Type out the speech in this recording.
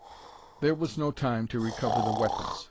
There was no time to recover the weapons.